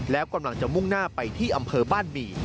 แล้วกำลังจะมุ่งหน้าไปที่อำเภอบ้านหมี่